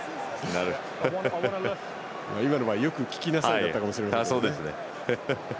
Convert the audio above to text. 今のは、よく聞きなさいだったかもしれませんね。